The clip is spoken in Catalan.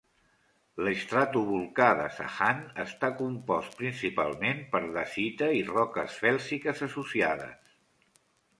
L'estratovolcà de Sahand està compost principalment per dacita i roques fèlsiques associades.